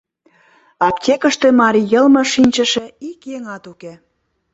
Аптекыште марий йылме шинчыше ик еҥат уке.